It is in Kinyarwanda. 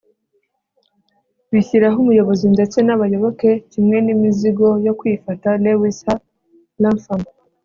bishyiraho umuyobozi ndetse n'abayoboke kimwe n'imizigo yo kwifata. - lewis h. lapham